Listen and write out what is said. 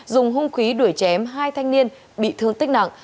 dùng hung khí đuổi chém hai thanh niên bị thương tích nặng